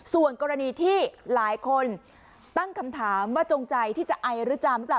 ส่วนกรณีที่หลายคนตั้งคำถามว่าจงใจที่จะไอหรือจามหรือเปล่า